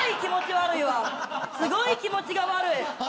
すごい気持ち悪い。